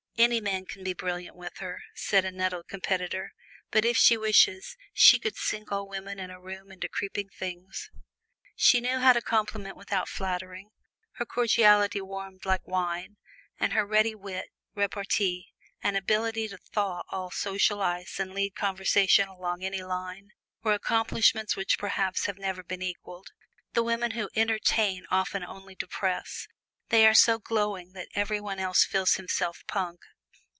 "Any man can be brilliant with her," said a nettled competitor; "but if she wishes, she can sink all women in a room into creeping things." She knew how to compliment without flattering; her cordiality warmed like wine, and her ready wit, repartee, and ability to thaw all social ice and lead conversation along any line, were accomplishments which perhaps have never been equaled. The women who "entertain" often only depress; they are so glowing that everybody else feels himself punk.